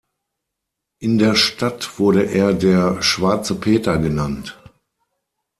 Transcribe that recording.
In der Stadt wurde er der „Schwarze Peter“ genannt.